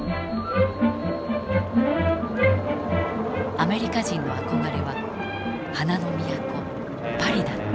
アメリカ人の憧れは花の都パリだった。